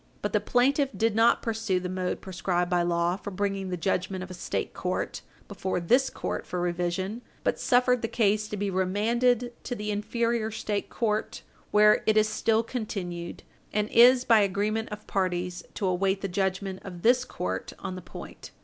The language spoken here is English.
But the plaintiff did not pursue the mode prescribed by law for bringing the judgment of a State court before this court for revision, but suffered the case to be remanded to the inferior State court, where it is still continued, and is, by agreement of parties, to await the judgment of this court on the point.